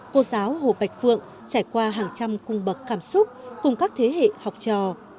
hồ bạch phượng trải qua hàng trăm khung bậc cảm xúc cùng các thế hệ học trò